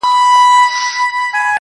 له څو خوښيو او دردو راهيسي.